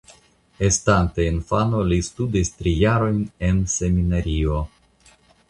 Estante infano li studis tri jarojn en seminario.